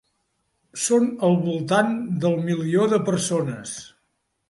Són al voltant del milió de persones.